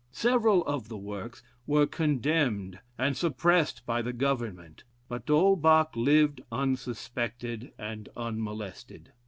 Several of the works were condemned and suppressed by the government; but D'Holbach lived unsuspected and unmolested.